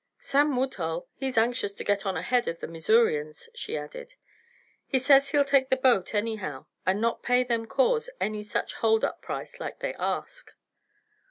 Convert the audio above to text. "Sam Woodhull, he's anxious to get on ahead of the Missourians," she added. "He says he'll take the boat anyhow, and not pay them Kaws any such hold up price like they ask."